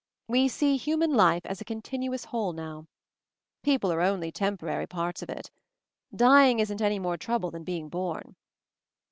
We see human life as a continuous whole now. People are only temporary parts of it. Dying isn't any more trouble than being born.